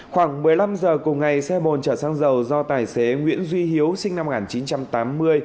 khoảng một mươi năm h cùng ngày xe bồn chở xăng dầu do tài xế nguyễn duy hiếu sinh năm một nghìn chín trăm tám mươi